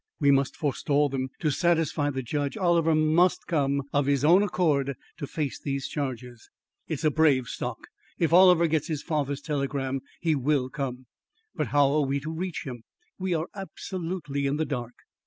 "We must forestall them. To satisfy the judge, Oliver must come of his own accord to face these charges." "It's a brave stock. If Oliver gets his father's telegram he will come." "But how are we to reach him! We are absolutely in the dark."